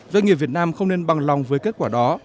doanh nghiệp việt nam không nên băng lòng với kết quả đó